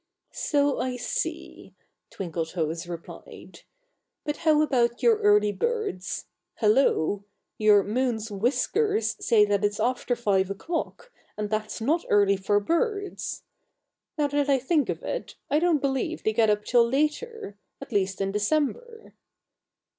"So I see," Twinkletoes replied. "But how about your early birds? Hello! Your moon's whiskers say that it's after five o'clock, and that's not early for birds. Now that I think of it, I don't believe they get up till later at least in December."